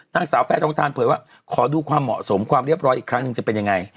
นางสาวแพทองทานเผยว่าขอดูความเหมาะสมความเรียบร้อยอีกครั้งหนึ่งจะเป็นยังไง